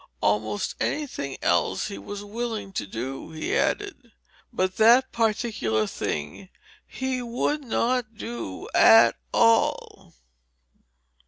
Almost anything else he was willing to do, he added, but that particular thing he would not do at all.